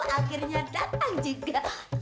akhirnya datang juga